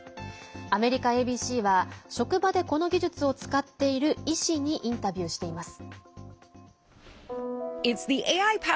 アメリカＡＢＣは、職場でこの技術を使っている医師にインタビューしています。